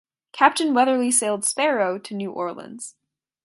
Captain Weatherly sailed "Sparrow" to New Orleans.